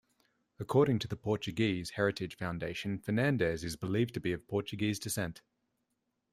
According to the Portuguese Heritage Foundation, Fernandez is believed to be of Portuguese descent.